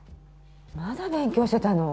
まだ勉強してたの？